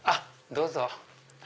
どうぞ。